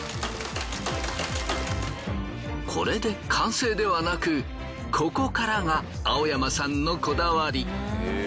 これで完成ではなくここからが青山さんのこだわり。